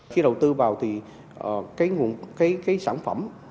khi đầu tư vào thì cái sản phẩm